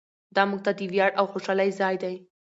دا موږ ته د ویاړ او خوشحالۍ ځای دی.